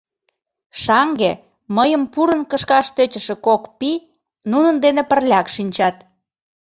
Шаҥге мыйым пурын кышкаш тӧчышӧ кок пий нунын дене пырляк шинчат.